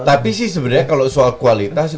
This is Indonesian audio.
tapi sih sebenarnya kalau soal kualitas